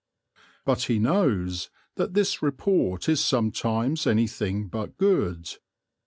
But he knows that this report is sometimes anything but good.